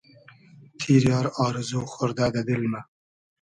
تیری آر آرزو خۉردۂ دۂ دیل مۂ